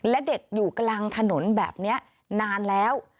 และเด็กอยู่กลางถนนแบบนี้นานแล้ว